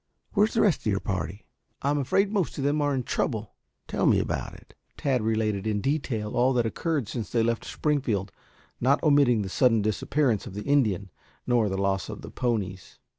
Where's the rest of your party?" "I'm afraid most of them are in trouble." "Tell me about it." Tad related in detail all that occurred since they left Springfield, not omitting the sudden disappearance of the Indian, nor the loss of the ponies.